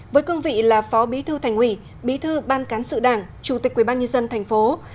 với cương vị là phó bí thư thành ủy bí thư ban cán sự đảng chủ tịch quy bán nhân dân tp hcm